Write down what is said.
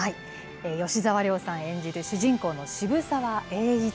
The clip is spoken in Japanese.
吉沢亮さん演じる、主人公の渋沢栄一。